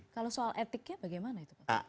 kalau soal etiknya bagaimana itu pak